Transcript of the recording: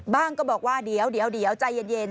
ก็บอกว่าเดี๋ยวใจเย็น